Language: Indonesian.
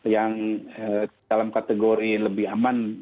yang dalam kategori lebih aman